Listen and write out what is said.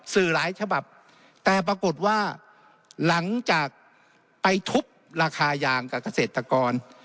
สื่อหลายฉบับแต่ปรากฏว่าหลังจากไปทุบราคายางกับเกษตรกร